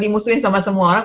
dimusuhin sama semua orang